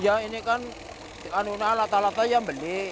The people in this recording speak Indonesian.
ya ini kan anuna lata lata yang beli